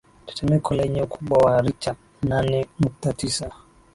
tetemeko lenye ukubwa wa richa nane nukta tisa